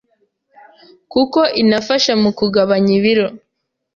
kuko inafasha mu kugabanya ibiro